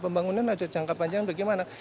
pembangunan ada jangka panjang bagaimana